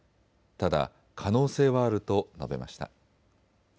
ただ可能性はあると述べました。